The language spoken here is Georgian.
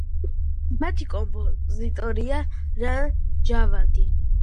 მათი კომპოზიტორია რამინ ჯავადი.